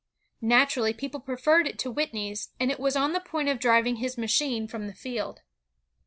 Naturally, people preferred it to Whitney's, and it was on the point of driving his machine from the field.